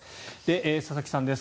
佐々木さんです。